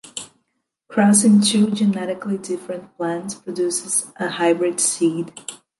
Crossing two genetically different plants produces a hybrid seed.